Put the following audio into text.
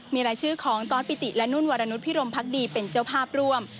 มีรายชื่อของตอสปิติและนุ่นวรนุษยพิรมพักดีเป็นเจ้าภาพร่วม